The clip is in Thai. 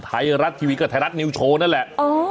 ไทยรัฐทีวีกับไทยรัฐนิวโชว์นั่นแหละ